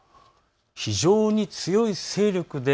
非常に強い勢力です。